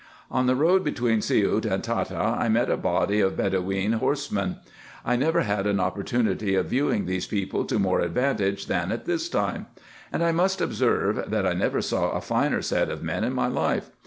On the road between Siout and Tahta I met a body of Be doween horsemen. I never had an opportunity of viewing these people to more advantage than at this time ; and I must observe, that I never saw a finer set of men in my life.